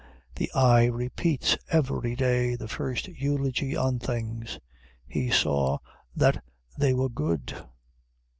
The eye repeats every day the first eulogy on things "He saw that they were good."